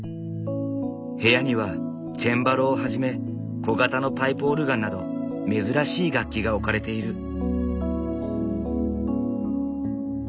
部屋にはチェンバロをはじめ小型のパイプオルガンなど珍しい楽器が置かれている。